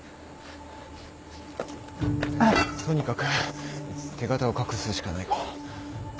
とにかく手形を隠すしかないか。